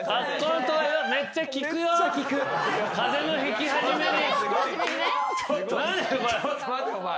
風邪のひき始めに。